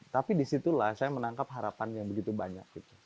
tapi disitulah saya menangkap harapan yang begitu banyak